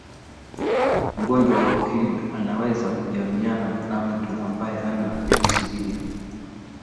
mgonjwa wa ukimwi anaweza kujamiiana na mtu ambaye hana virusi hivyo